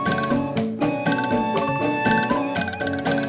masih ada yang mau berbicara